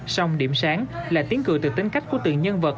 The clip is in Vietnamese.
song điểm sáng là tiếng cười từ tính cách của từng nhân vật